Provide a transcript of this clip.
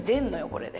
これで。